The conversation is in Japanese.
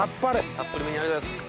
たっぷりめにありがとうございます！